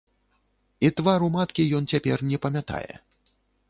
І твару маткі ён цяпер не памятае.